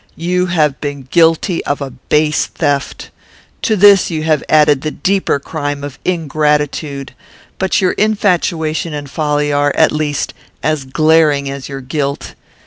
You have been guilty of a base theft. To this you have added the deeper crime of ingratitude, but your infatuation and folly are, at least, as glaring as your guilt.